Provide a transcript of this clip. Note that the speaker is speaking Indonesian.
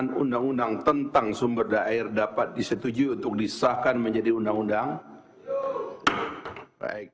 nomor tujuh belas tahun dua ribu sembilan belas tentang sumber daya air